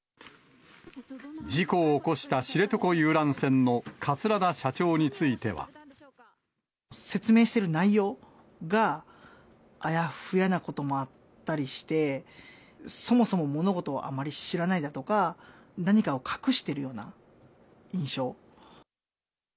事故を起こした知床遊覧船の説明している内容が、あやふやなこともあったりして、そもそも物事をあまり知らないだとか、何かを隠しているような印象。